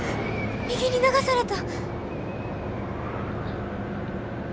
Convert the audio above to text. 右に流された！